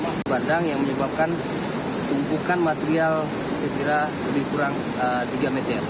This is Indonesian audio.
banjir bandang yang menyebabkan tumpukan material sekira lebih kurang tiga meter